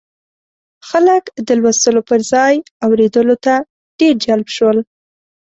خلک د لوستلو پر ځای اورېدلو ته ډېر جلب شول.